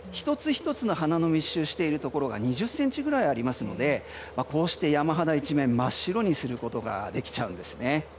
１つ１つの花の密集しているところが２０ｃｍぐらいありますのでこうして山肌一面真っ白にすることができちゃうんですね。